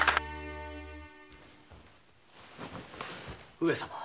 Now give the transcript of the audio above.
上様